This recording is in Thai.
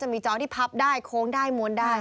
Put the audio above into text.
มีจอที่พับได้โค้งได้มวลได้